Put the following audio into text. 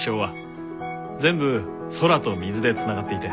全部空と水でつながっていて。